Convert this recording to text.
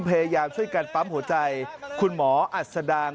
พยายามช่วยกันปั๊มหัวใจคุณหมออัศดาง